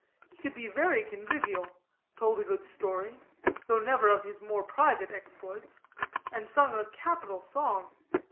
He could be very convivial; told a good story (though never of his more private exploits), and sung a capital song.